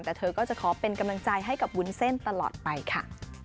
แต่เธอก็จะขอเป็นกำลังใจให้กับวุ้นเส้นตลอดไปค่ะ